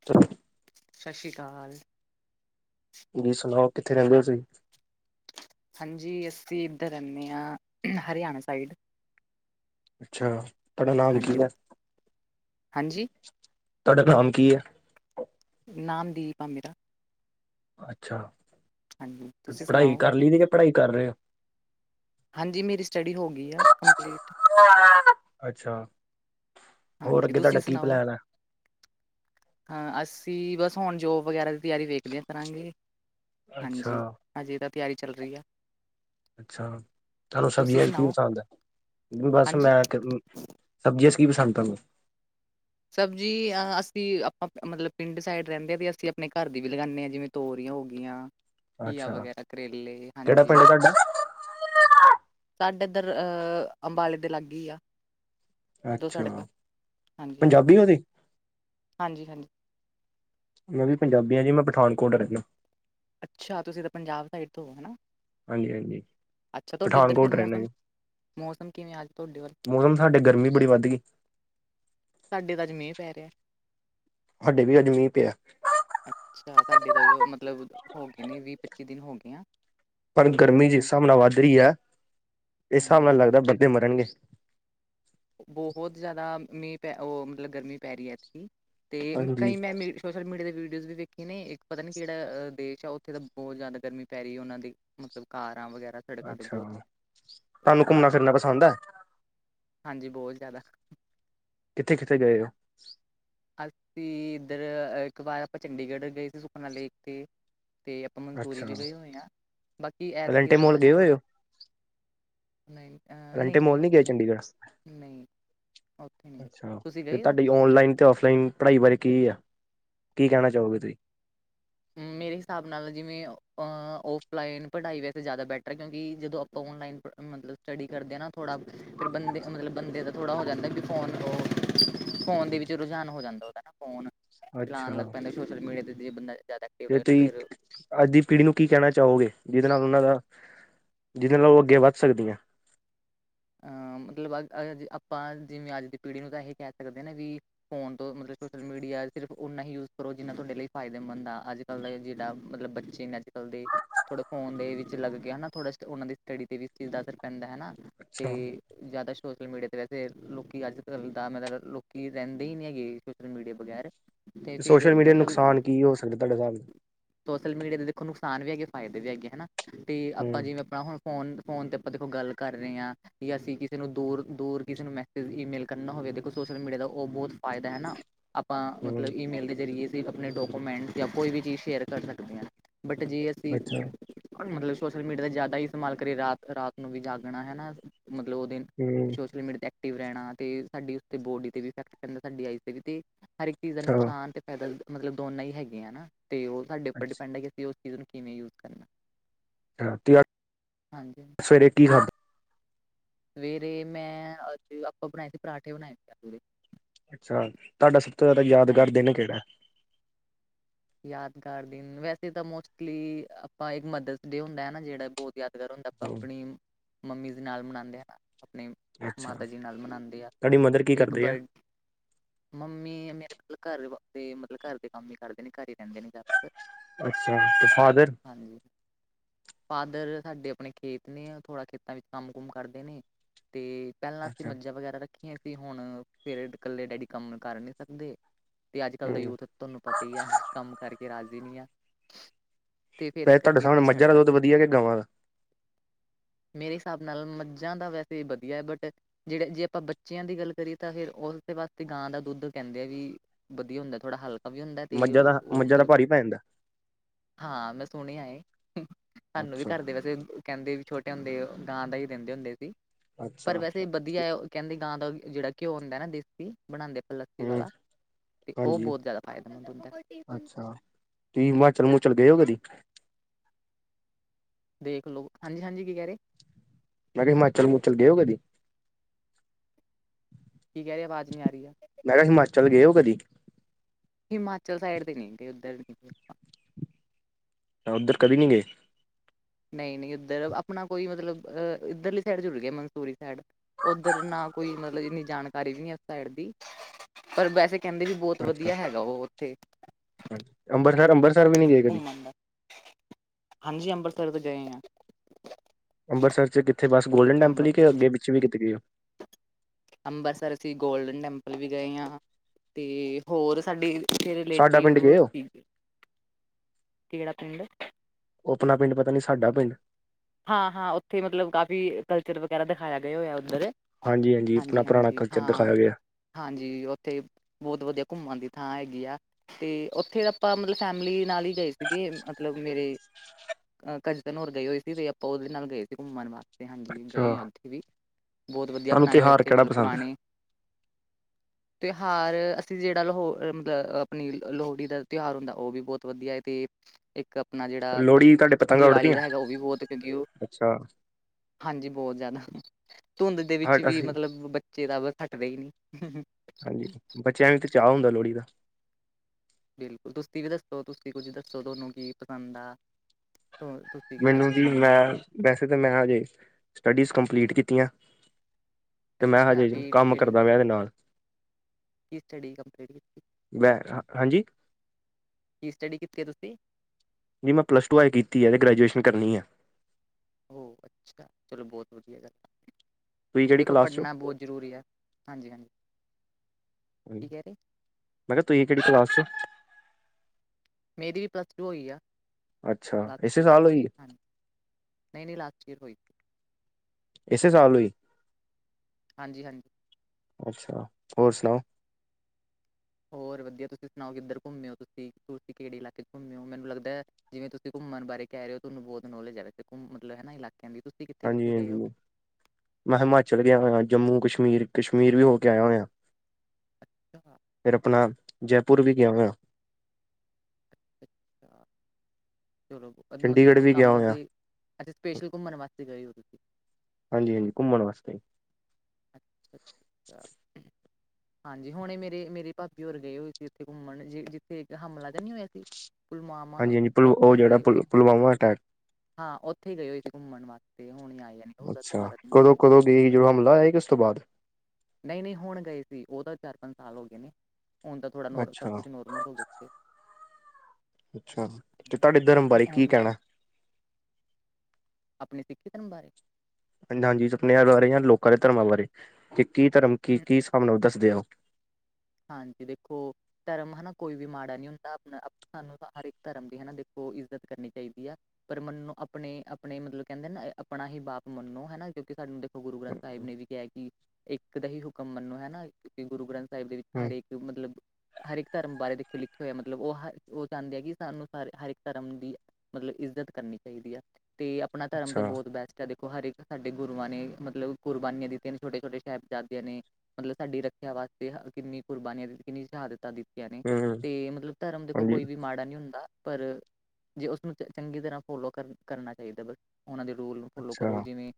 [inaudible] ਸਸ਼ੀ ਕਾਲ। ਜੀ ਸੁਨਾਓ ਕਿੱਥੇ ਰੈਂਦੇ ਓ ਤੁਸੀਂ? ਹਾਂਜੀ ਅਸੀਂ ਏਦਰ ਰੈਨੇ ਆਂ ਹਰਿਆਨਾ ਸਾਈਡ। ਅੱਛਾ ਤੁਆਡਾ ਨਾਮ ਕੀ ਹਾਂਜੀ ਐ ਹਾਂਜੀ ਤੁਆਡਾ ਨਾਮ ਕੀ ਐ? ਨਾਮ ਦੀਪ ਆ ਮੇਰਾ। ਅੱਛਾ ਹਾਂਜੀ ਤੇ ਤੁਸੀਂ ਪੜਾਈ ਸੁਣਾਓ ਕਰ ਲਈ ਦੀ ਕਿੱਥੇ ਕਿ ਪੜਾਈ ਕਰ ਰਏ ਓ? ਹਾਂਜੀ ਮੇਰੀ ਸਟੱਡੀ ਹੋ ਗਈ ਆ ਕੰਪਲੀਟ। ਅੱਛਾ, ਹੋਰ ਹਾਂਜੀ ਅੱਗੇ ਤੁਸੀਂ ਤੁਆਡਾ ਕੀ ਸੁਣਾਓ ਪਲੈਨ ਐ? ਹਾਂ ਅਸੀਂ ਬਸ ਹੁਨ ਜੋਬ ਵਗੈਰਾ ਦੀ ਤਿਆਰੀ ਵੇਖਦੇ ਆਂ ਕਰਾਂਗ। ਹਾਂਜੀ, ਅੱਛਾ ਹਜੇ ਤਾਂ ਤਿਆਰੀ ਚੱਲ ਰਈ ਆ। ਅੱਛਾ, ਤੁਆਨੂੰ ਤੁਸੀਂ ਸਬਜ਼ੀਆਂ ਚ ਕੀ ਸੁਣਾਓ ਪਸੰਦ ਐ ਬਸ ਹਾਂਜੀ ਮੈਂ ਸਬਜ਼ੀਆਂ ਚ ਕੀ ਪਸੰਦ ਤੁਆਨੂੰ? ਸਬਜ਼ੀ ਅ ਅਸੀਂ ਆਪਾਂ ਮਤਲਬ ਪਿੰਡ ਸਾਈਡ ਰੈਂਦੇ ਆਂ ਤੇ ਅਸੀਂ ਆਪਨੇ ਘਰ ਦੀ ਵੀ ਲਗਾਨੇ ਆਂ ਜਿਵੇਂ ਤੋਰੀਆਂ ਹੋ ਗੀਆਂ, ਘੀਆ ਅੱਛਾ ਵਗੈਰਾ, ਕਰੇਲੇ ਕਿਹੜਾ ਪਿੰਡ ਹਾਂਜੀ। ਤੁਹਾਡਾ? ਸਾਡੇ ਏਦਰ ਅ ਅੰਬਾਲੇ ਦੇ ਲਾਗੇ ਈ ਆ। ਦੋ ਸੜਕਾਂ ਹਾਂਜੀ-ਹਾਂਜੀ। ਵੱਡੀ ਓਦੀ। ਹਾਂਜੀ-ਹਾਂਜੀ। ਮੈਂ ਵੀ ਪੰਜਾਬੀ ਆਂ ਜੀ ਮੈਂ ਪਠਾਨਕੋਟ ਰੈਨਾ। ਅੱਛਾ, ਤੁਸੀਂ ਤਾਂ ਪੰਜਾਬ ਸਾਈਡ ਤੋਂ ਹਨਾ। ਹਾਂਜੀ- ਹਾਂਜੀ! ਅੱਛਾ, ਤੁਹਾਡੇ ਇੱਧਰ ਫਿਰ ਪਠਾਨਕੋਟ ਰਹਿੰਦਾ ਮੌਸਮ- ਜੀ। ਮੌਸਮ ਕਿਵੇਂ ਅੱਜ ਤੁਹਾਡੇ ਵੱਲ? ਮੌਸਮ ਸਾਡੇ ਗਰਮੀ ਬੜੀ ਵੱਧ ਗਈ। ਸਾਡੇ ਤਾਂ ਅੱਜ ਮੀਂਹ ਪੈ ਰਿਹਾ। ਸਾਡੇ ਵੀ ਅਜ ਮੀਹ ਪਿਆ। ਅੱਛਾ, ਸਾਡੇ ਤਾਂ ਮਤਲਬ ਹੋ ਗਏ ਨੇ ਵੀਹ ਪੱਚੀ ਦਿਨ ਹੋ ਗਏ ਆ। ਪਰ ਤੇ ਗਰਮੀ ਜਿਸ ਹੁਣ ਹਿਸਾਬ ਨਾਲ ਵੱਧ ਰਹੀ ਹੈ, ਇਸ ਹਿਸਾਬ ਨਾਲ ਹਾਂਜੀ-ਹਾਂਜੀ, ਲੱਗਦਾ ਬੰਦੇ ਮਰਨਗੇ। ਬਹੁਤ ਜ਼ਿਆਦਾ ਮੀਂਹ ਪੈ ਉਹ ਮਤਲਬ ਗਰਮੀ ਪੈ ਰਹੀ ਹੈ, ਇੱਥੇ ਦੀ ਤੇ ਹਾਂਜੀ ਕਈ ਮੈਂ ਮੀਂਹ ਸੋਸ਼ਲ ਮੀਡੀਆ ਦੇ ਵੀਡੀਓਜ਼ ਵੀ ਵੇਖੀ ਨੇ ਇੱਕ ਪਤਾ ਨੀ ਕਿਹੜਾ ਦੇਸ਼ ਆ, ਉੱਥੇ ਤਾਂ ਬਹੁਤ ਜ਼ਿਆਦਾ ਗਰਮੀ ਪੈ ਰਹੀ ਹੈ ਉਹਨਾਂ ਦੀ। ਮਤਲਬ ਕਾਰਾਂ ਵਗੈਰਾ ਸੜਕਾਂ ਤੇ ਅੱਛਾ, ਬਹੁਤ ਤੁਹਾਨੂੰ ਹਾਂਜੀ-ਹਾਂਜੀ, ਘੁੰਮਣਾ ਹਾਂਜੀ ਫਿਰਨਾ ਪਸੰਦ ਹੈ? ਹਾਂਜੀ ਬਹੁਤ ਜ਼ਿਆਦਾ। ਕਿੱਥੇ- ਕਿੱਥੇ ਗਏ ਹੋ? ਅਸੀਂ ਇੱਧਰ ਇੱਕ ਵਾਰ ਆਪਾਂ ਚੰਡੀਗੜ੍ਹ ਗਏ ਸੀ ਸੁਖਨਾ ਲੇਕ ਤੇ ਤੇ ਆਪਾਂ ਮਨਸੂਰੀ ਅੱਛਾ ਵੀ ਗਏ ਹੋਏ ਹਾਂ, ਬਾਕੀ ਐਤਕੀ ਅਲੰਟੇ ਦਾ ਮੋਲ ਅਜੇ ਗਏ ਹੋਏ ਥੋੜ੍ਹਾ ਹੋ ਨਹੀਂ ਅਲੰਟੇ -ਨਹੀਂ ਮੋਲ -ਨਹੀਂ ਨੀ ਉੱਥੇ ਗਏ ਚੰਡੀਗੜ੍ਹ ਨਹੀਂ- ਨਹੀਂ। ਅੱਛਾ ਤੁਸੀਂ ਤੇ ਗਏ ਓ? ਤੁਹਾਡੀ ਔਨਲਾਈਨ ਤੇ ਓਫਲਾਈਨ ਪੜ੍ਹਾਈ ਬਾਰੇ ਕੀ ਆ ਕੀ ਕਹਿਣਾ ਚਾਹੋਗੇ ਤੁਸੀਂ? ਮੇਰੇ ਹਿਸਾਬ ਨਾਲ ਜਿਵੇਂ ਔਫਲਾਈਨ ਪੜ੍ਹਾਈ ਵੈਸੇ ਜ਼ਿਆਦਾ ਬੈਟਰ ਹੈ। ਕਿਉਂਕਿ ਜਦੋਂ ਆਪ ਔਨਲਾਈਨ ਮਤਲਬ ਸਟੱਡੀ ਕਰਦੇ ਨਾ, ਥੋੜਾ ਫੇਰ ਬੰਦੇ ਮਤਲਬ ਬੰਦੇ ਦਾ ਥੋੜਾ ਹੋ ਜਾਂਦਾ। ਫੋਨ ਉਹ ਫੋਨ ਦੇ ਵਿੱਚ ਰੁਝਾਨ ਹੋ ਜਾਂਦਾ, ਉਹਦਾ ਨਾ ਫੋਨ ਚਲਾਉਣ ਲੱਗ ਪੈਂਦਾ, ਸੋਸ਼ਲ ਮੀਡੀਆ ਤੇ ਜ ਬੰਦਾ ਜ਼ਿਆਦਾ ਐਕਟਿਵ ਜੇ ਰਹੇ ਨਾ ਤੁਸੀਂ ਫਿਰ ਅੱਜ ਦੀ ਪੀੜ੍ਹੀ ਨੂੰ ਕੀ ਕਹਿਣਾ ਚਾਹੋਗੇ? ਜਿਹਦੇ ਨਾਲ ਉਹਨਾਂ ਦਾ ਜਿਹਦੇ ਨਾਲ ਉਹ ਅੱਗੇ ਵੱਧ ਸਕਦੀਆਂ। ਅਹ ਮਤਲਬ ਅ ਆਪਾਂ ਜਿਵੇਂ ਅੱਜ ਦੀ ਪੀੜ੍ਹੀ ਨੂੰ ਤਾਂ ਇਹ ਕਹਿ ਸਕਦੇ ਨਾ ਵੀ ਫੋਨ ਤੋਂ ਮਤਲਬ ਸੋਸ਼ਲ ਮੀਡੀਆ ਸਿਰਫ ਉਓਨਾ ਹੀ ਯੂਜ ਕਰੋ, ਜਿੰਨਾ ਤੁਹਾਡੇ ਲਈ ਫ਼ਾਇਦੇਮੰਦ ਆ। ਅੱਜ ਅ ਜਿਹੜਾ ਮਤਲਬ ਬੱਚੇ ਨੇ ਅੱਜ ਕੱਲ੍ਹ ਦੇ ਥੋੜੇ ਫੋਨ ਦੇ ਵਿੱਚ ਲੱਗ ਕੇ ਹਨਾ, ਥੋੜ੍ਹਾ ਉਹਨਾਂ ਦੀ ਸਟੱਡੀ ਤੇ ਵੀ ਇਸ ਚੀਜ਼ ਦਾ ਅਸਰ ਪੈਂਦਾ ਹੈਨਾ। ਤੇ ਅੱਛਾ ਜ਼ਿਆਦਾ ਸੋਸ਼ਲ ਮੀਡੀਆ ਤੇ ਵੈਸੇ ਲੋਕੀ ਅੱਜ ਕਲ ਦਾ ਮਤਲਬ ਲੋਕੀ ਰਹਿੰਦੇ ਹੀ ਨੀ ਹੈਗੇ। ਸੋ ਮੀਡੀਆ ਬਗੈਰ। ਅਤੇ ਫਿਰ ਸੋਸ਼ਲ ਮੀਡੀਆ ਨੂੰ ਮਤਲਬ ਨੁਕਸਾਨ ਕੀ ਹੋ ਸਕਦਾ? ਸੋਸ਼ਲ ਮੀਡੀਆ ਦੇ ਦੇਖੋ ਨੁਕਸਾਨ ਵੀ ਹੈਗੇ, ਫਾਇਦੇ ਵੀ ਹੈਗੇ ਹਨਾ, ਤੇ ਆਪਾਂ ਹੂੰ ਜਿਵੇਂ ਆਪਣਾ ਹੁਣ ਫੋਨ-ਫੋਨ ਤੇ ਆਪਾਂ ਦੇਖੋ ਗੱਲ ਕਰ ਰਹੇ ਹਾਂ। ਜਾਂ ਅਸੀਂ ਕਿਸੇ ਨੂੰ ਦੂਰ- ਦੂਰ ਕਿਸੇ ਨੂੰ ਮੈਸੇਜ ਈਮੇਲ ਕਰਨਾ ਹੋਵੇ ਦੇਖੋ ਸੋਸ਼ਲ ਮੀਡੀਆ ਦਾ ਉਹ ਬਹੁਤ ਫਾਇਦਾ ਹੈ ਨਾ। ਆਪਾਂ ਹੂੰ ਮਤਲਬ ਈਮੇਲ ਦੇ ਜ਼ਰੀਏ ਅਸੀਂ ਆਪਣੇ ਡਾਕੂਮੈਂਟ ਜਾਂ ਕੋਈ ਵੀ ਚੀਜ਼ ਸ਼ੇਅਰ ਕਰ ਸਕਦੇ ਹਾਂ। ਬਟ ਜੇ ਅਸੀਂ ਅੱਛਾ ਮਤਲਬ ਸੋਸ਼ਲ ਮੀਡੀਆ ਦਾ ਜ਼ਿਆਦਾ ਹੀ ਇਸਤੇਮਾਲ ਕਰੀਏ ਰਾਤ -ਰਾਤ ਨੂੰ ਵੀ ਜਾਗਣਾ ਹਨਾ। ਮਤਲਬ ਉਹ ਦਿਨ ਹੂੰ ਸੋਸ਼ਲ ਮੀਡੀਆ ਤੇ ਐਕਟਿਵ ਰਹਿਣਾ, ਤੇ ਸਾਡੀ ਬੋਡੀ ਤੇਡਿਫੈਕਟ ਪੈਂਦਾ, ਸਾਡੀ ਆਈਸ ਤੇ ਵੀ ਤੇ ਹਰ ਇੱਕ ਚੀਜ਼ ਦਾ ਅੱਛਾ ਨੁਕਸਾਨ ਤੇ ਫੈਦਲ ਮਤਲਬ ਦੋਨਾਂ ਹੀ ਹੈਗੇਆਂ ਨਾ, ਤੇ ਉਹ ਸਾਡੇ ਉੱਪਰ ਅੱਛਾ ਡਿਪੈਂਡ ਹੈ ਵੀ ਉਸ ਚੀਜ਼ ਨੂੰ ਕਿਵੇਂ ਯੂਜ ਕਰਨਾ। ਅ ਹਾਂਜੀ ਹਾਂਜੀ ਸਵੇਰੇ ਕੀ ਖ ਤੋ [unintelligible] ਸਵੇਰੇ ਮੈਂ ਆਪਾਂ ਬਣਾਏ ਸੀ ਪਰਾਂਠੇ ਬਣਾਏ ਸੀ, ਆਲੂ ਦੇ। ਅੱਛਾ। ਤੁਹਾਡਾ ਸਭ ਤੋਂ ਜ਼ਿਆਦਾ ਯਾਦਗਾਰ ਹਾਂਜੀ ਦਿਨ ਕਿਹੜਾ? ਯਾਦਗਾਰ ਦਿਨ, ਵੈਸੇ ਤਾਂ ਮੋਸਟਲੀ ਆਪਾਂ ਇੱਕ ਮਦਰਸ ਡੇ ਹੁੰਦਾ ਹੈ। ਨਾ ਜਿਹੜਾ ਬਹੁਤ ਯਾਦਗਾਰ ਹੁੰਦਾ, ਆਪਾਂ ਆਪਣੀ ਮੰਮੀ ਦੇ ਨਾਲ ਮਨਾਦੇ ਹਾਂ ਆਪਣੀ ਅੱਛਾ ਮਾਤਾ ਜੀ ਨਾਲ ਮਨਾਦੇ ਆ ਤੁਹਾਡੀ ਮਦਰ ਕੀ ਤੇ ਇੱਕ ਕਰਦੇ ਆ ਬਰਡ ਮੰਮੀ ਮੇਰੇ ਮਤਲਬ ਘਰ ਮਤਲਬ ਘਰ ਦੇ ਕੰਮ ਹੀ ਕਰਦੇ ਨੇ, ਘਰ ਹੀ ਰਹਿੰਦੇ ਨੇ ਜ਼ਦਾਤਰ ਅੱਛਾ ਤੇ ਫਾਦਰ। ਹਾਂਜੀ। ਫਾਦਰ ਸਾਡੇ ਆਪਣੇ ਖੇਤ ਨੇ ਥੋੜਾ ਖੇਤਾਂ ਵਿੱਚ ਕੰਮ ਕੁਮ ਕਰਦੇ ਨੇ ਤੇ ਪਹਿਲਾਂ ਅਸੀਂ ਅੱਛਾ ਮੱਝਾਂ ਵਗੈਰਾ ਰੱਖੀਆਂ ਸੀ। ਹੁਣ ਫੇਰ ਇਕੱਲੇ ਡੈਡੀ ਕੰਮ ਕਰ ਨੀ ਸਕਦੇ। ਤੇ ਅੱਜ ਕੱਲ੍ਹ ਦਾ ਹੂੰ ਯੂਥ ਤੁਹਾਨੂੰ ਪਤਾ ਹੀ ਆ, ਕੰਮ ਕਰਕੇ ਰਾਜ਼ੀ ਨਹੀ ਆ। ਅਤੇ ਫਿਰ ਇਸ ਪੈ ਤੁਹਾਡੇ ਕਰਕੇ ਸਾਮਣੇ ਅਸੀਂ ਮੱਝਾਂ ਦਾ ਛੱਡਤਾ ਦੁੱਧ ਸੀ ਵਧੀਆ ਤੇ ਗਾਵਾਂ ਦਾ। ਮੇਰੇ ਹਿਸਾਬ ਨਾਲ ਮੱਝਾਂ ਦਾ ਵੈਸੇ ਵਧੀਆ ਹੈ ਬਟ ਜਿਹੜੇ ਜੇ ਆਪਾਂ ਬੱਚਿਆਂ ਦੀ ਗੱਲ ਕਰੀਏ ਤਾਂ ਫੇਰ ਉਸਦੇ ਵਾਸਤੇ ਗਾਂ ਦਾ ਦੁੱਧ ਕਹਿੰਦੇ ਆ ਜੀ ਵਧੀਆ ਹੁੰਦਾ ਥੋੜ੍ਹਾ ਹਲਕਾ ਵੀ ਹੁੰਦਾ ਅਤੇ ਮੱਝਾਂ ਦਾ ਉਹ ਮੱਝਾਂ ਦਾ ਮਤਲਬ ਭਾਰੀ ਪੈ ਜਾਂਦਾ ਹਾਂ ਮੈਂ ਸੁਣਿਆ ਏ ਸਾਨੂੰ ਵੀ ਅੱਛਾ ਕਰਦੇ ਵੈਸੇ ਕਹਿੰਦੇ ਵੀ ਛੋਟੇ ਹੁੰਦੇ ਗਾਂ ਦਾ ਹੀ ਦਿੰਦੇ ਹੁੰਦੇ ਸੀ। ਪਰ ਅੱਛਾ ਵੈਸੇ ਵਧੀਆ ਕਹਿੰਦੇ ਗਾਂ ਦਾ ਜਿਹੜਾ ਘਿਓ ਹੁੰਦਾ ਨਾ ਦੇਸੀ ਬਣਾਦੇ ਫ ਲੱਸੀ ਹੂੰ ਵਾਲਾ ਤੇ ਉਹ ਹਾਂਜੀ ਬਹੁਤ ਜ਼ਿਆਦਾ ਫਾਇਦਾ [unintelligible] ਅੱਛਾ, ਤੁਸੀਂ ਹਿਮਾਚਲ--ਹਿਮੂਚਲ ਗਏ ਹੋ ਕਦੀ? ਦੇਖ ਲੋ, ਹਾਂਜੀ-ਹਾਂਜੀ ਕੀ ਕਹਿ ਰਹੇ। ਮੈਂ ਕਿਹਾ ਹਿਮਾਚਲ ਮੂਚਲ ਗਏ ਓ ਕਦੀ? ਕੀ ਕਹਿ ਰਹੇ ਆਵਾਜ਼ ਨੀ ਆ ਰਹੀ ਆ। ਮੈਂ ਕਿਹਾ ਹਿਮਾਚਲ ਗਏ ਉਹ ਕਦੀ? ਹਿਮਾਚਲ ਸਾਈਡ ਤੇ ਨੀ ਤੇ ਉੱਧਰ ਨੀ ਤਾਂ ਉੱਧਰ ਕਦੇ ਨਹੀ ਗਏ। ਨਹੀਂ ਨਹੀਂ ਉੱਧਰ ਆਪਣਾ ਕੋਈ ਮਤਲਬ ਇੱਧਰਲੀ ਸਾਈਡ ਜੁੜ ਗਿਆ ਮਨਸੂਰੀ ਸਾਈਡ। ਓਧਰ ਨਾ ਕੋਈ ਮਤਲਬ ਇੰਨੀ ਜਾਣਕਾਰੀ ਵੀ ਨ ਉਸ ਸਾਈਡ ਦੀ ਪਰ ਵੈਸੇ ਕਹਿੰਦੇ ਵੀ ਬਹੁਤ ਵਧੀਆ ਹੈਗਾ ਉਹ ਉੱਥੇ ਹਾਂ ਅੰਬ੍ਰਿਸਰ ਅੰਮ੍ਰਿਤਸਰ ਵੀ ਨੀ ਗਏ ਕਦੀ। ਘੁੰਮਣ ਦਾ ਹਾਂਜੀ ਅੰਮ੍ਰਿਤਸਰ ਤੋਂ ਗਏ ਆ। ਅੰਮ੍ਰਿਤਸਰ ਚ ਕਿੱਥੇ ਬਸ ਗਲਡ ਟੈਂਪਲ ਈ ਗਏ ਅਗੇ ਪਿੱਛੇ ਵੀ ਕਿਤੇ ਗਈ ਹੋ। ਅੰਬਰਤਸਰ ਅਸੀਂ ਗੋਲਡਨ ਟੈਂਪਲ ਵੀ ਗਏ ਹਾਂ। ਤੇ ਹੋਰ ਸਾਡੇ ਸਾਡਾ ਪਿੰਡ ਰਿਲੇਟਿਵ ਗਏ ਹੋ ਕਿਹੜਾ ਪਿੰਡ ਉਹ ਆਪਣਾ ਪਿੰਡ ਪਤਾ ਨੀ ਸਾਡਾ ਪਿੰਡ ਹਾਂ ਹਾਂ ਉੱਥੇ ਮਤਲਬ ਕਾਫੀ ਕਲਚਰ ਵਗੈਰਾ ਦਿਖਾਇਆ ਗਏ ਹੋਇਆ ਉੱਧਰ। ਹਾਂਜੀ ਹਾਂਜੀ ਆਪਣਾ ਪੁਰਾਣਾ ਹਾਂਜੀ ਕਲਚਰ ਹਾਂ ਦਿਖਾਇਆ ਗਿਆ। ਹਾਂਜੀ ਉੱਥੇ ਬਹੁਤ ਵਧੀਆ ਘੁੰਮਣ ਦੀ ਥਾਂ ਹੈਗੀ ਆ। ਤੇ ਉੱਥੇ ਆਪਾਂ ਮਤਲਬ ਫੈਮਿਲੀ ਨਾਲ ਹੀ ਗਏ ਸੀਗੇ ਮਤਲਬ ਮੇਰੇ ਅ ਖਜਤਨ ਹੋਰ ਗਏ ਹੋਏ ਸੀ ਤੇ ਆਪਾਂ ਉਹਦੇ ਨਾਲ ਗਏ ਸੀ ਘੁੰਮਣ ਵਾ। ਹਾਂਜੀ ਅੱਛਾ ਗਏ ਆ ਉੱਥੇ ਵੀ ਬਹੁਤ ਵਧੀਆ ਤੁਹਾਨੂੰ ਬਣਾਏ ਹੋਏ ਤਿਉਹਾਰ ਇੱਥੇ ਕਿਹੜਾ ਮਤਲਬ ਪਸੰਦ ਪੁਰਾਣੇ [inaudible] ਤਿਉਹਾਰ ਅਸੀਂ ਜਿਹੜਾ ਲੋਹ ਮਤਲਬ ਆਪਣੀ ਲੋਹੜੀ ਦਾ ਤਿਉਹਾਰ ਹੁੰਦਾ ਉਹ ਵੀ ਬਹੁਤ ਵਧੀਆ ਏ ਤੇ ਇੱਕ ਆਪਣਾ ਹੈ ਜਿਹੜਾ ਲੋਹੜੀ ਤੁਹਾਡੇ ਪਤੰਗਾਂ ਦੀਵਾਲੀ ਦਾ ਉੱਡਦੀਆਂ ਹੈਗਾ ਉਹ ਵੀ ਬਹੁਤ ਅੱਛਾ ਹਾਂਜੀ ਬਹੁਤ ਜਿਆਦਾ ਧੁੰਦ ਦੇ ਹਾਂ ਵਿੱਚ ਵੀ ਅਸੀਂ ਮਤਲਬ ਬ ਬੱਚੇ ਤਾਂ ਬਸ ਥਕਦੇ ਹੀ ਨੀ। ਬੱਚਿਆਂ ਨੂੰ ਤਾਂ ਚਾਹਅ ਹੁੰਦਾ ਲੋਹੜੀ ਦਾ। ਬਿਲਕੁਲ ਤੁਸੀਂ ਵੀ ਦੱਸੋ ਤੁਸੀਂ ਕੁੱਝ ਦੱਸੋ ਤੁਆਨੂੰ ਕੀ ਪਸੰਦ ਐ। ਮੈਨੂੰ ਵੀ ਮੈਂ ਵੈਸੇ ਤਾਂ ਮੈਂ ਹਜੇ ਸਟੱਡੀਜ਼ ਕੰਪਲੀਟ ਕੀਤੀਆਂ। ਤੇ ਮੈਂ ਅੱਛਾ ਹਜੇ ਕੀ ਕੰਮ ਸਟੱਡੀ ਕਰਦਾ ਪੇਆਂ ਏਦੇ ਨਾਲ। ਕੀ ਸਟੱਡੀ ਕੰਪਲੀਟ ਕੀਤੀ ਮੈਂ ਹ ਹਾਂਜੀ। ਕੀ ਸਟੱਡੀ ਕੀਤੀ ਐ ਤੁਸੀਂ। ਜੀ ਮੈਂ ਪਲੱਸ ਟੂ ਹਜੇ ਕੀਤੀ ਐ ਤੇ ਗ੍ਰੈਜੂਏਸ਼ਨ ਕਰਨੀ ਐ। ਓ ਅੱਛਾ, ਚਲੋ ਬੋਤ ਵਦੀਆ ਗੱਲ ਐ। ਤੁਸੀਂ ਕਿਹੜੀ ਦੇਖੋ ਕਲਾਸ ਚੋਂ ਪੜਨਾ ਬੋਤ ਜ਼ਰੂਰੀ ਆ, ਹਾਂਜੀ-ਹਾਂਜੀ ਹਾਂਜੀ ਕੀ ਕੈ ਰਏ। ਮੈਂ ਕਿਆ ਤੁਸੀਂ ਕੇੜੀ ਕਲਾਸ ਚੋਂ। ਮੇਰੀ ਵੀ ਪਲੱਸ ਟੂ ਹੋਈ ਆ। ਅੱਛਾ ਲਾਸਟ ਇਸੇ ਈਅਰ ਸਾਲ ਹੋਈ ਹਾਂਜੀ ਨਈਂ-ਨਈਂ ਲਾਸਟ ਈਅਰ ਹੋਈ। ਇਸੇ ਸਾਲ ਹੋਈ। ਹਾਂਜੀ-ਹਾਂਜੀ। ਅੱਛਾ, ਹੋਰ ਸੁਨਾਓ। ਹੋਰ ਵਦੀਆ ਤੁਸੀਂ ਸੁਨਾਓ ਕਿੱਦਰ ਘੁੰਮਦੇ ਓਂ ਤੁਸੀਂ-ਤੁਸੀਂ ਕਿਹੜੇ ਇਲਾਕੇ ਚ ਘੁੰਮਦੇ ਓਂ ਮੈਨੂੰ ਲੱਗਦਾ ਜਿਵੇਂ ਤੁਸੀਂ ਘੁੰਮਨ ਬਾਰੇ ਕੈ ਰਏ ਓ ਤੁਆਨੂੰ ਬੋਤ ਨੋਲੇਜ ਐ ਘੁੰਮਨ ਮਤਲਬ ਹਨਾ ਇਲਾਕੇਆਂ ਦੀ ਕਿੱਥੇ ਕਿੱਥੇ ਗਏ ਹੋ ਹਾਂਜੀ-ਹਾਂਜੀ ਮੈਂ ਹਿਮਾਚਲ ਗੇਆ ਹੋਏਆ ਜੰਮੂ ਕਸ਼ਮੀਰ-ਕਸ਼ਮੀਰ ਵੀ ਹੋ ਕੇ ਆਏਆ ਹੋਏਆਂ। ਅੱਛਾ ਫਿਰ ਆਪਨਾ ਜੈਪੁਰ ਵੀ ਗੇਆ ਹੋਏਆਂ। ਚਲੋ ਏਦਾ ਚੰਡੀਗੜ੍ਹ ਮਤਲਬ ਵੀ ਗਿਆ ਕੰਮ ਹੋਇਆ ਦੇ ਅੱਛਾ ਸਪੈਸ਼ਲ ਘੁੰਮਨ ਵਾਸਤੇ ਗਏ ਓਂ ਤੁਸੀਂ। ਹਾਂਜੀ-ਹਾਂਜੀ ਘੁੰਮਨ ਵਾਸਤੇ। [inaudible] ਹਾਂਜੀ ਹੁਨੇ ਮੇਰੇ-ਮੇਰੇ ਭਾਬੀ ਹੋਰ ਗਏ ਹੋਏ ਸੀ ਓਥੇ ਘੁੰਮਨ ਜ ਜਿੱਥੇ ਹਮਲਾ ਜਾ ਨੀ ਹੋਏਆ ਸੀ। ਪੁਲਵਾਮਾ ਹਾਂਜੀ-ਹਾਂਜੀ ਪੁਲ ਓ ਉੱਥੇ ਜੇੜਾ ਗਏ ਪੁ ਉ- ਪੁਲਵਾਮਾ ਅਟੈਕ ਹਾਂ ਓਥੇ ਈ ਗਏ ਹੋਏ ਸੀ ਘੁੰਮਨ ਵਾਸਤੇ ਹੁਨੇ ਈ ਆਏ ਐ। ਅੱਛਾ, ਕਦੋਂ-ਕਦੋਂ ਗਈ ਜਦੋਂ ਹਮਲਾ ਹੋਇਆ ਸੀਗਾ ਉਸ ਤੋਂ ਬਾਦ ਨਈਂ-ਨਈਂ ਹੁਨ ਗਏ ਸੀ ਓ ਤਾਂ ਚਾਰ ਪੰਜ ਸਾਲ ਹੋ ਗਏ ਨੇ। ਹੁਨ ਤਾਂ ਥੋੜਾ ਨੋਰਮਲ ਸਬ ਅੱਛਾ ਕੁਛ ਨੋਰਮਲ ਹੋ ਗਿਆ ਓਥੇ। ਅੱਛਾ ਤੇ ਤੁਆਡੇ ਧਰਮ ਬਾਰੇ ਕੀ ਹੁਣ ਕੈਨਾ। ਆਪਨੇ ਸਿੱਖੀ ਧਰਮ ਬਾਰੇ ਹਾਂਜੀ ਸੁਪਨਿਆਂ ਬਾਰੇ ਜਾਂ ਲੋਕਾਂ ਦੇ ਧਰਮਾਂ ਬਾਰੇ, ਤੇ ਕੀ ਧਰਮ ਕੀ-ਕੀ ਹਿਸਾਬ ਨਾਲ ਦੱਸਦੇ ਆ ਓ। ਹਾਂਜੀ ਦੇਖੋ ਧਰਮ ਹਨਾ ਕੋਈ ਵੀ ਮਾੜਾ ਨੀ ਹੁੰਦਾ ਆਪਨਾ ਸਾਨੂੰ ਤਾਂ ਹਰ ਇੱਕ ਧਰਮ ਦੀ ਹਨਾ ਦੇਖੋ ਇੱਜ਼ਤ ਕਰਨੀ ਚਾਈਦੀ ਐ। ਪਰ ਮੰਨੋ ਆਪਨੇ-ਆਪਨੇ ਮਤਲਬ ਕੈਂਦੇ ਨਾ ਆਪਨਾ ਈ ਬਾਪ ਮੰਨੋ ਹਨਾ ਕਿਓਂਕਿ ਸਾਨੂੰ ਗੁਰੂ ਗ੍ਰੰਥ ਸਾਹਿਬ ਨੇ ਵੀ ਕਿਆ ਕੇ ਇੱਕ ਦਾ ਈ ਹੁਕਮ ਮੰਨੋ ਹੈਨਾ, ਗੁਰੂ ਗ੍ਰੰਥ ਸਾਹਿਬ ਦੇ ਵਿੱਚ ਹਮ ਹਰੇਕ ਜੋ ਮਤਲਬ ਹਰ ਇੱਕ ਧਰਮ ਬਾਰੇ ਦੇਖਿਓ ਲਿਖੇਆ ਹੋਏਆ ਮਤਲਬ ਓ ਹ ਓ ਚਾਂਦੇ ਆ ਕੀ ਸਾਨੂੰ ਹਰ ਇੱਕ ਧਰਮ ਦੀ ਮਤਲਬ ਇੱਜ਼ਤ ਕਰਨੀ ਚਾਈਦੀ ਐ, ਤੇ ਆਪਨਾ ਧਰਮ ਤੇ ਅੱਛਾ ਬੋਤ ਬੈਸਟ ਐ ਦੇਖੋ ਹਰ ਇੱਕ ਸਾਡੇ ਗੁਰੂਆਂ ਨੇ ਮਤਲਬ ਕੁਰਬਾਨੀਆਂ ਦਿਤੀਆਂ ਨੇ ਛੋਟੇ-ਛੋਟੇ ਸਾਹਿਬਜ਼ਾਦਿਆਂ ਨੇ ਮਤਲਬ ਸਾਡੀ ਰੱਖਿਆ ਵਾਸਤੇ ਕਿੰਨੀ ਕੁਰਬਾਨੀਆਂ ਦਿਤੀਆਂ ਨੇ ਕਿੰਨੀ ਸ਼ਹਾਦਤਾਂ ਦਿੱਤੀਆਂ ਨੇ, ਹਮ ਤੇ ਮਤਲਬ ਧਰਮ ਦੇਖੋ ਹਾਂਜੀ ਕੋਈ ਵੀ ਮਾੜਾ ਨੀ ਹੁੰਦਾ, ਪਰ ਜੇ ਉਸਨੂੰ ਚੰਗੀ ਤਰ੍ਹਾਂ ਫੋਲੋ ਕਰ ਕਰਨਾ ਚਾਈਦਾ। ਓਨਾਂ ਦੇ ਰੂਲ ਨੂੰ ਫੋਲੋ ਕਰੋ ਅੱਛਾ ਜਿਵੇਂ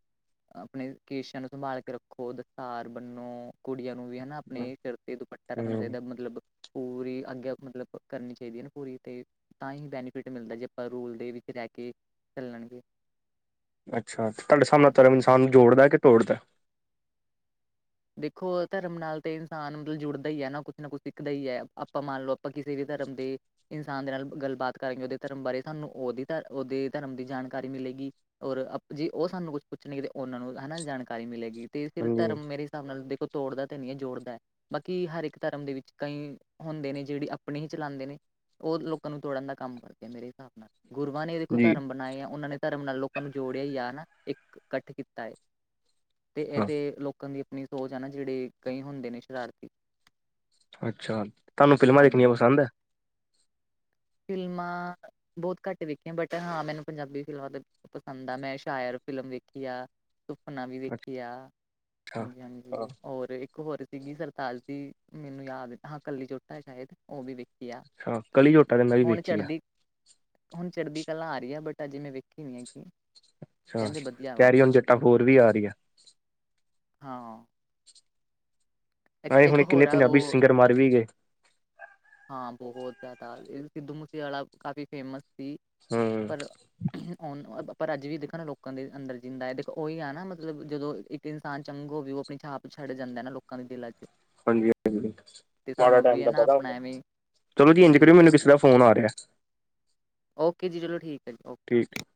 ਆਪਨੇ ਕੇਸ਼ਾਂ ਨੂੰ ਸੰਭਾਲ ਕੇ ਰੱਖੋ ਦਸਤਾਰ ਬੰਨੋ ਕੁੜੀਆਂ ਨੂੰ ਵੀ ਹਨਾ ਆਪਨੇ ਸਿਰ ਤੇ ਦੁਪੱ ਟਾ ਰੱਖਨਾ ਹਮ ਚਾਈਦਾ ਮਤਲਬ ਪੂਰੀ ਆਗੇਆ ਮਤਲਬ ਕਰਨੀ ਚਾਈਦੀ ਐ ਨਾ ਪੂਰੀ ਤੇ। ਤਾਂ ਹੀ ਬੈਨੀਫਿਟ ਮਿਲਦਾ ਜੇ ਆਪਾਂ ਰੂਲ ਦੇ ਵਿੱਚ ਰਹਿ ਕੇ ਚੱਲਣਗੇ ਅੱਛਾ ਤੁਹਾਡੇ ਸਾਹਬ ਨਾਲ ਹਾਂਜੀ ਧਰਮ ਹਾਂਜੀ ਇਨਸਾਨ ਜੋੜਦਾ ਕੇ ਤੋੜਦਾ ਦੇਖੋ ਧਰਮ ਨਾਲ ਤੇ ਇਨਸਾਨ ਮਤਲਬ ਜੁੜਦਾ ਹੀ ਐ ਨਾ ਕੁਛ ਨਾ ਕੁਛ ਸਿੱਖਦਾ ਹੀ ਐ ਆਪਾਂ ਮੰਨ ਲਓ ਆਪਾਂ ਕਿਸੇ ਵੀ ਧਰਮ ਦੇ ਇਨਸਾਨ ਦੇ ਨਾਲ ਗੱਲਬਾਤ ਕਰਾਂਗੇ ਉਹਦੇ ਧਰਮ ਬਾਰੇ ਸਾਨੂੰ ਉਹਦੀ ਧ ਉਹਦੇ ਧਰਮ ਦੀ ਜਾਣਕਾਰੀ ਮਿਲੇਗੀ ਔਰ ਜੇ ਉਹ ਸਾਨੂੰ ਕੁਛ ਪੁੱਛਣਗੇ ਤੇ ਉਹਨਾਂ ਨੂੰ ਹਨਾ ਜਾਣਕਾਰੀ ਮਿਲੇਗੀ ਤੇ ਫੇਰ ਹਾਂਜੀ ਧਰਮ ਮੇਰੇ ਹਿਸਾਬ ਨਾਲ ਦੇਖੋ ਤੋੜਦਾ ਤੇ ਨਈ ਏ ਜੋੜਦਾ ਬਾਕੀ ਹਰ ਇੱਕ ਧਰਮ ਦੇ ਵਿੱਚ ਕਈ ਹੁੰਦੇ ਨੇ ਜਿਹੜੇ ਆਪਣੇ ਹੀ ਚਲਾਂਦੇ ਨੇ ਉਹ ਲੋਕਾਂ ਨੂੰ ਤੋੜਨ ਦਾ ਕੰਮ ਕਰਦੇ ਮੇਰੇ ਹਿਸਾਬ ਨਾਲ ਗੁਰੂਆਂ ਨੇ ਦੇਖੋ ਜੀ ਧਰਮ ਬਣਾਏ ਆ ਉਹਨਾਂ ਨੇ ਧਰਮ ਨਾਲ ਲੋਕ ਕਾਂ ਨੂੰ ਜੋੜਿਆ ਹੀ ਆ ਨਾ ਇੱਕ ਇਕੱਠ ਕੀਤਾ ਏ ਤੇ ਹਾਂ ਇਹਦੇ ਲੋਕਾਂ ਦੀ ਆਪਣੀ ਸੋਚ ਆ ਨਾ ਜਿਹੜੇ ਕਈ ਹੁੰਦੇ ਨੇ ਸ਼ਰਾਰਤੀ ਅੱਛਾ, ਤੁਹਾਨੂੰ ਫ਼ਿਲਮਾਂ ਹਾਂਜੀ ਦੇਖਣੀਆਂ ਹਾਂਜੀ ਪਸੰਦ ਐ ਫਿਲਮਾਂ ਬਹੁਤ ਘੱਟ ਦੇਖੀਆਂ ਬਟ ਹਾਂ ਮੈਨੂੰ ਪੰਜਾਬੀ ਫਿਲਮਾਂ ਦੇ ਪਸੰਦ ਆ ਮੈਂ ਸ਼ਾਇਰ ਫਿਲਮ ਵੇਖੀ ਆ ਸੁਪਨਾ ਵੀ ਦੇਖੀ ਆ ਅੱਛਾ ਹਾਂਜੀ, ਹਾਂਜੀ ਔਰ ਇੱ ਇੱਕ ਹੋਰ ਸੀਗੀ ਸਰਤਾਜ ਦੀ ਮੈਨੂੰ ਯਾਦ ਹਾਂ ਕੱਲੀ ਜੋਟਾ ਏ ਸ਼ਾਇਦ ਉਹ ਵੀ ਵੇਖੀ ਆ ਛਾ ਕਲੀ ਜੋਟਾ ਤੇ ਵੀ ਹੁਣ ਵੇਖੀ ਆ ਚੜ੍ਹਦੀ ਹੁਣ ਚੜ੍ਹਦੀ ਕਲਾ ਆ ਰਹੀ ਐ ਬਟ ਅਜੇ ਮੈਂ ਵੇਖੀ ਨੀ ਹੈਗੀ ਅੱਛਾ ਕਹਿੰਦੇ ਵਧੀਆ ਵਾ ਕੈਰੀਓਨ ਜੱਟਾ ਫੋਰ ਵੀ ਹਮ, ਆ ਰਹੀ ਐ ਹਾਂ ਇੱਕ ਆਂ ਇੱਕ ਹੁਣੇ ਹੋਰ ਕਿੰਨੇ ਆ ਪੰਜਾਬੀ ਉਹ ਸਿੰਗਰ ਮਰ ਵੀ ਗਏ। ਹਾਂ ਬਹੁਤ ਜਿਆਦਾ ਇਹ ਸਿੱਧੂ ਮੂਸੇਵਾਲਾ ਕਾਫੀ ਫੇਮਸ ਸੀ ਹੂੰ ਉਹ ਨ ਪਰ ਅੱਜ ਵੀ ਦੇਖੋ ਨਾ ਲੋਕਾਂ ਦੇ ਅੰਦਰ ਜਿੰਦਾ ਹੈ ਦੇਖੋ ਉਹੀ ਆ ਨਾ ਮਤਲਬ ਜਦੋਂ ਇ ਤੇ ਇਨਸਾਨ ਚੰਗ ਹੋਵੇ ਉਹ ਆਪਣੀ ਛਾਪ ਛੱਡ ਜਾਂਦਾ ਨਾ ਲੋਕਾਂ ਦੇ ਦਿਲਾਂ ਚ ਹਾਂਜੀ, ਹਾਂਜੀ ਤੇ ਮਾੜੇ ਸਾਨੂੰ ਟਾਈਮ ਵੀ ਹੈ ਦਾ ਨਾ ਪਤਾ ਆਪਣਾ ਐਵੇਂ ਚਲੋ ਚੇਂਜ ਕਰਿਓ ਮੈਨੂੰ ਬਿਲਕੁਲ ਕਿਸੇ ਦਾ ਬਿਲਕੁਲ ਫ਼ੋਨ ਆ ਰਿਹਾ। ਓਕੇ ਜੀ ਚਲੋ ਠੀਕ ਐ ਜੀ ਓ [unintelligible]